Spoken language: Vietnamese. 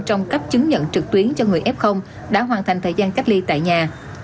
trong cấp chứng nhận trực tuyến cho người f đã hoàn thành thời gian cách ly tại nhà